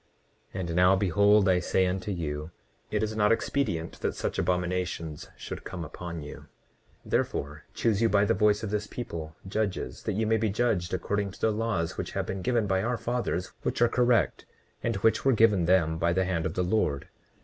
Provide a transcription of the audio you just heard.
29:24 And now behold I say unto you, it is not expedient that such abominations should come upon you. 29:25 Therefore, choose you by the voice of this people, judges, that ye may be judged according to the laws which have been given you by our fathers, which are correct, and which were given them by the hand of the Lord.